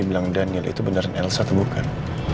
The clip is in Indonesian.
bang daniel itu beneran elsa atau bukan